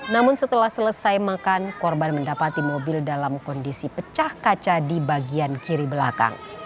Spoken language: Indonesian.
namun setelah selesai makan korban mendapati mobil dalam kondisi pecah kaca di bagian kiri belakang